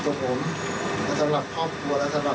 ทำให้เหมือนไม่เกรงกลัวกับสมัยแต่ผมเกรงกลัว